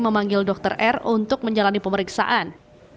memanggil dr r untuk menjalani pemeriksaan